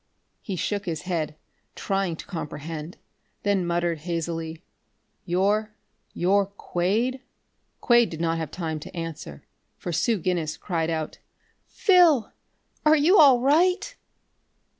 He shook his head, trying to comprehend, then muttered hazily: "You you're Quade?" Quade did not have time to answer, for Sue Guinness cried out: "Phil! Are you all right?"